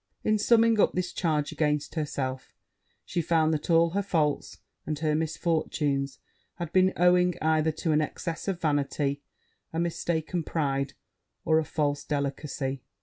In summing up this charge against herself, she found that all her faults and her misfortunes had been owing either to an excess of vanity, a mistaken pride, or a false delicacy.